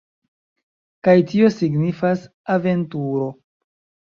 Kaj tio signifas aventuro!